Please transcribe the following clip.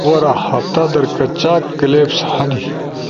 لالو غورا! ہفتہ در کچاک کلپس ہنی؟